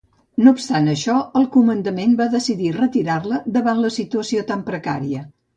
No obstant això el comandament va decidir retirar-la, davant la situació tan precària.